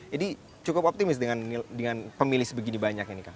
jadi cukup optimis dengan pemilih sebegini banyak ini kang